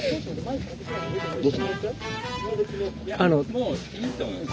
もういいと思います。